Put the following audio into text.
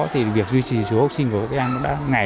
thì việc duy trì dưới học sinh của các em nó đã